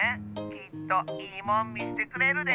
きっと「いいもん」みせてくれるで。